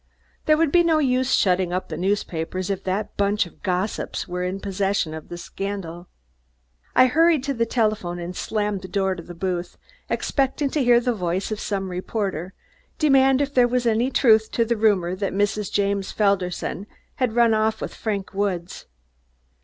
There would be no use shutting up the newspapers if that bunch of gossips were in possession of the scandal. I hurried to the telephone and slammed the door to the booth, expecting to hear the voice of some reporter demand if there was any truth to the rumor that Mrs. James Felderson had run off with Frank Woods.